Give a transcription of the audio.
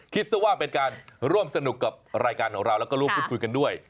ซะว่าเป็นการร่วมสนุกกับรายการของเราแล้วก็ร่วมพูดคุยกันด้วย